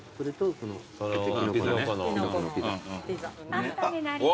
パスタになります。